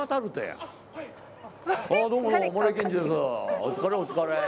お疲れお疲れ。